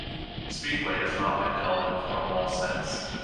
Speedway has not been held in Cornwall since.